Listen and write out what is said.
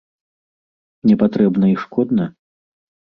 Не патрэбна і шкодна?